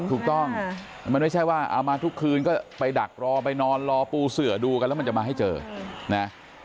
ถูกต้องมันไม่ใช่ว่าเอามาทุกคืนก็ไปดักรอไปนอนรอปูเสือดูกันแล้วมันจะมาให้เจอนะ